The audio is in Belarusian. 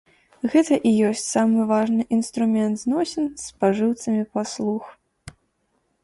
Гэта і ёсць самы важны інструмент зносін з спажыўцамі паслуг.